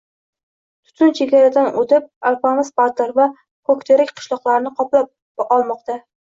Tutun chegaradan o‘tib, Alpamis batir va Kokterek qishloqlarini qoplab olmoqda